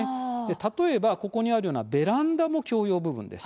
例えば、ここにあるようなベランダも共用部分です。